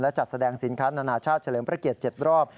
จัดแสดงสินค้านานาชาติเฉลิมพระเกียรติ๗รอบ